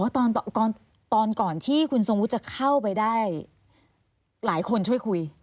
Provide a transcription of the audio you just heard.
ตอนก่อนที่คุณทรงวุฒิจะเข้าไปได้หลายคนช่วยคุย